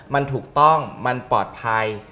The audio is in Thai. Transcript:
มันถูกต้องมันปลอดภัย